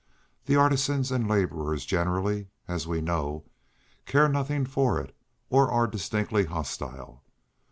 The artisans and laborers generally, as we know, care nothing for it or are distinctly hostile.